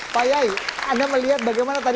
pak yai anda melihat bagaimana tadi